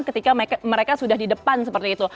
ketika mereka sudah di depan seperti itu